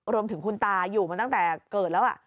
รวมถึงคุณตาอยู่มาตั้งแต่เกิดแล้ว